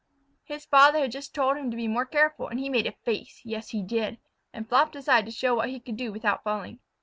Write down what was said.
His father had just told him to be more careful, and he made a face (yes, he did) and flopped aside to show what he could do without falling.